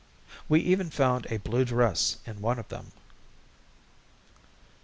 We even found a blue dress in one of them.